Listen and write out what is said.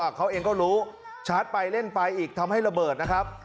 เขาเองก็รู้ชาร์จไปเล่นไปอีกทำให้ระเบิดนะครับ